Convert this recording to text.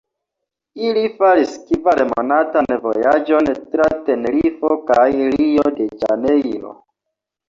Ili faris kvar-monatan vojaĝon tra Tenerifo kaj Rio-de-Ĵanejro.